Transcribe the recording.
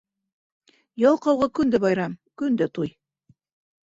Ялҡауға көндә байрам, көндә туй.